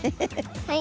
はい。